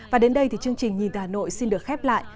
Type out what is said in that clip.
và đến đây thì chương trình nhìn hà nội xin được khép lại